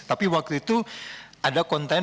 tapi waktu itu ada konten